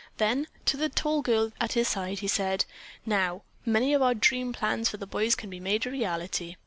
Then to the tall girl at his side he said: "Now, many of our dream plans for the boys can be made a reality."